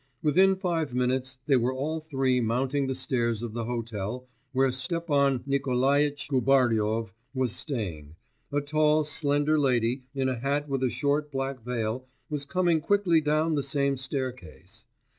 Within five minutes they were all three mounting the stairs of the hotel where Stepan Nikolaitch Gubaryov was staying.... A tall slender lady, in a hat with a short black veil, was coming quickly down the same staircase.